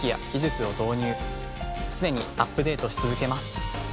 常にアップデートし続けます。